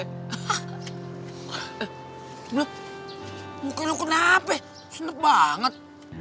belom buka lo kenapa ya seneng banget